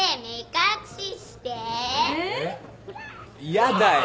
嫌だよ！